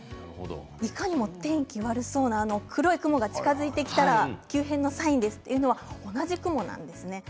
いかにも天気が悪そうな黒い雲が近づいてきたら急変のサインというのと同じ雲です。